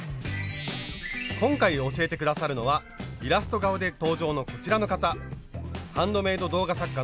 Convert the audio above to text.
今回教えて下さるのはイラスト顔で登場のこちらの方。